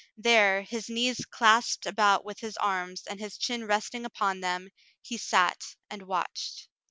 There, his knees clasped about with his arms, and his chin resting upon them, he sat and watched.